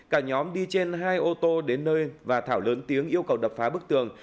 cả nhóm đi trên hai ô tô đến nơi và thảo lớn tiếng yêu cầu đập phá bức tường